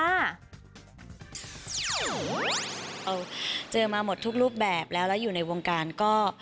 เอาเจอมาหมดทุกรูปแบบแล้วแล้วอยู่ในวงการก็